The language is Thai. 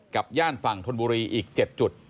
กับย่านฝั่งธนบุรีอีกเจ็ดจุด